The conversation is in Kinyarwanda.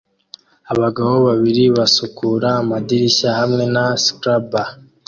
abagabo babiri basukura amadirishya hamwe na scrubbers